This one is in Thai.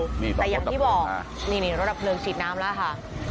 นี่ต่อควบตะเพลิงค่ะแต่อย่างที่บอกนี่นี่ต่อควบตะเพลิงฉีดน้ำแล้วค่ะ